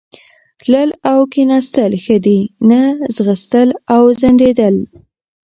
تلل او کښېنستل ښه دي، نه ځغستل او ځنډېدل.